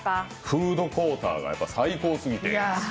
フードコーターが最高すぎて。